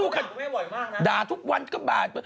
เขาด่าทุกวันก็ด่า